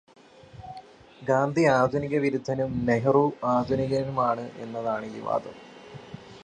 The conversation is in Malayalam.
ഗാന്ധി ആധുനിക വിരുദ്ധനും നെഹ്രു ആധുനികനുമാണു എന്നതാണു ഈ വാദം.